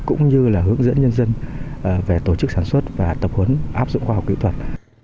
cũng như là hướng dẫn nhân dân về tổ chức sản xuất và tập huấn áp dụng khoa học kỹ thuật